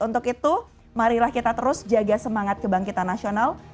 untuk itu marilah kita terus jaga semangat kebangkitan nasional